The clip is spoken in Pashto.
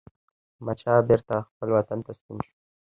احمدشاه بیرته خپل وطن ته ستون شو.